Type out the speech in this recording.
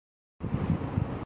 کلاسیکی سکالر تھا۔